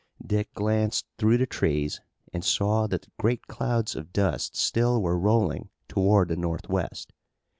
Dick glanced through the trees and saw that great clouds of dust still were rolling toward the northwest.